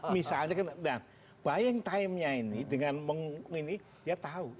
misalnya dan bayang timenya ini dengan mengunik dia tahu